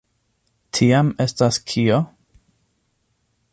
Tiam, estas kio?